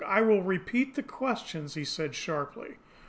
"I will repeat the questions," he said sharply.